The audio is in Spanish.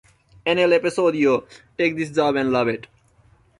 En el episodio "Take This Job and Love It!